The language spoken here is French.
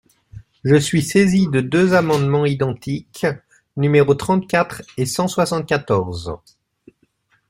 Je suis saisi de deux amendements identiques, numéros trente-quatre et cent soixante-quatorze.